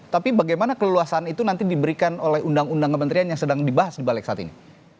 tapi bagaimana keleluasan itu nanti diberikan oleh undang undang kementerian yang sedang dibahas di balik saat ini